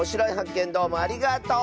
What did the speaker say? けんどうもありがとう！